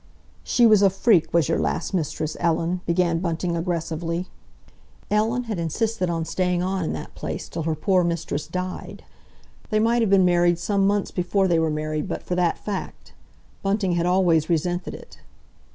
"She was a freak, was your last mistress, Ellen," began Bunting aggressively. Ellen had insisted on staying on in that place till her poor mistress died. They might have been married some months before they were married but for that fact. Bunting had always resented it.